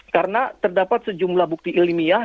karena terdapat sejumlah bukti ilmiah